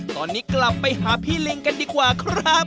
ตอนนี้กลับไปหาพี่ลิงกันดีกว่าครับ